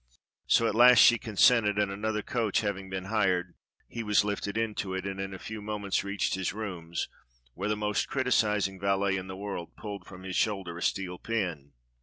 So at last she consented, and another coach having been hired, he was lifted into it and in a few moments reached his rooms, where the most criticising valet in the world pulled from his shoulder a steel pin.